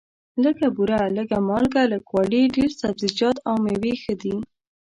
لږه بوره، لږه مالګه، لږ غوړي، ډېر سبزیجات او مېوې ښه دي.